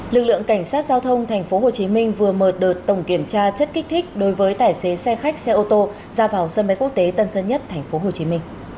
lực lượng cảnh sát giao thông tp hcm vừa mở đợt tổng kiểm tra chất kích thích đối với tài xế xe khách xe ô tô ra vào sân bay quốc tế tân sơn nhất tp hcm